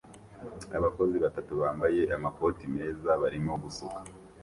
Abakozi batatu bambaye amakoti meza barimo gusuka